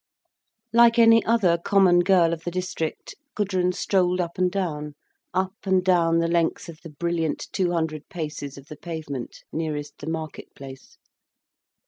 Like any other common girl of the district, Gudrun strolled up and down, up and down the length of the brilliant two hundred paces of the pavement nearest the market place.